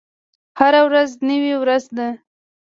هره ورځ نوې ورځ ده